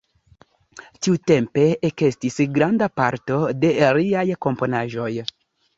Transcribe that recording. Tiutempe ekestis granda parto de liaj komponaĵoj.